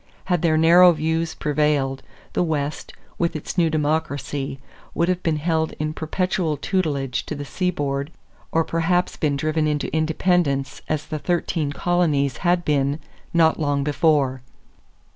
Had their narrow views prevailed, the West, with its new democracy, would have been held in perpetual tutelage to the seaboard or perhaps been driven into independence as the thirteen colonies had been not long before.